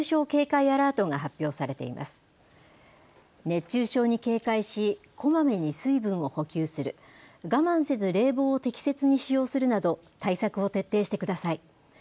熱中症に警戒しこまめに水分を補給する、我慢せず冷房を適切に使用するなど対策を徹底してください。